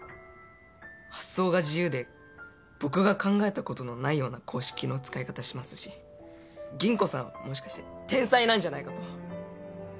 発想が自由で僕が考えたことのないような公式の使い方しますし吟子さんはもしかして天才なんじゃないかと！